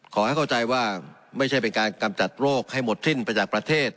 ขอให้เข้าใจว่าไม่ใช่เป็นการกำจัดโรคให้หมดสิ้นไปจากประเทศ